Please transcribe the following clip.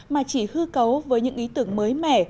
mà chỉ hư cấu với những ý tưởng mới mẻ